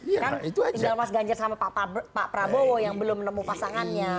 kan tinggal mas ganjar sama pak prabowo yang belum menemu pasangannya